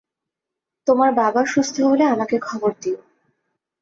তোমার বাবা সুস্থ হলে আমাকে খবর দিও।